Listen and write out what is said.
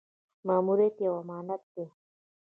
ماموریت یو امانت دی